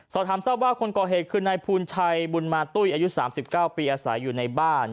สอบถามทราบว่าคนก่อเหตุคือนายภูลชัยบุญมาตุ้ยอายุ๓๙ปีอาศัยอยู่ในบ้าน